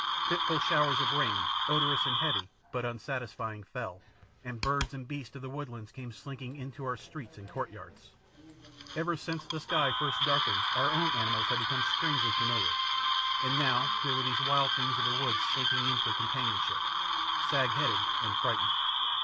Fitful showers of rain, odorous and heavy, but unsatisfying, fell, and birds and beasts of the woodlands came slinking in to our streets and courtyards. Ever since the sky first darkened our own animals had become strangely familiar, and now here were these wild things of the woods slinking in for companionship, sagheaded and frightened.